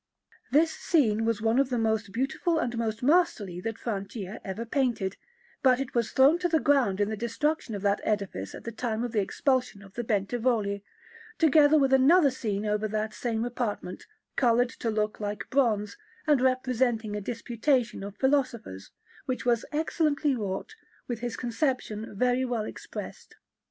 This scene was one of the most beautiful and most masterly that Francia ever painted, but it was thrown to the ground in the destruction of that edifice at the time of the expulsion of the Bentivogli, together with another scene over that same apartment, coloured to look like bronze, and representing a disputation of philosophers, which was excellently wrought, with his conception very well expressed.